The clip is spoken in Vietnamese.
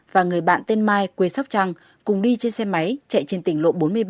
và người bạn tên mai quê sóc trăng cùng đi trên xe máy chạy trên tỉnh lộ bốn mươi ba